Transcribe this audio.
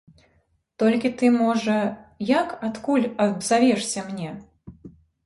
Толькі ты, можа, як адкуль абзавешся мне?